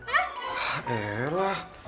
ah eh lah